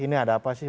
ini ada apa sih